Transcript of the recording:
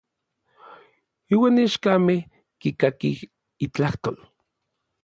Iuan ichkamej kikakij n itlajtol.